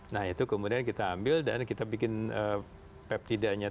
nah itu kemudian kita ambil dan kita bikin peptidanya